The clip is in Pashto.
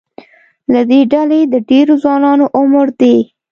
له دې ډلې د ډېرو ځوانانو عمر د